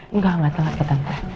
enggak gak telat ya tante